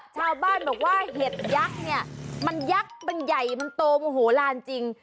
ชาวบ้านบอกว่าเห็ดยักษ์เนี่ยมันยักษ์มันใหญ่มันโตโมโหลานจริง